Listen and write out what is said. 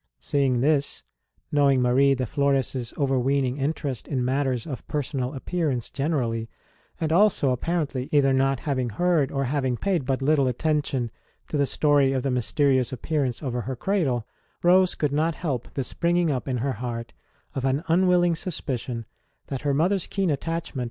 Seeing this, knowing Marie de Flores overweening interest in matters of personal appearance generally, and also, appar ently, either not having heard or having paid but little attention to the story of the mysterious appearance over her cradle, Rose could not help the springing up in her heart of an unwilling suspicion that her mother s keen attachment 46 ST.